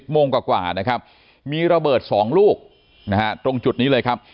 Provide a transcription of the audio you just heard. โมงกว่านะครับมีระเบิด๒ลูกนะฮะตรงจุดนี้เลยครับ